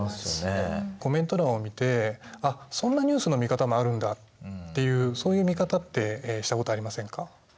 コメント欄を見て「あっそんなニュースの見方もあるんだ」っていうそういう見方ってしたことありませんか？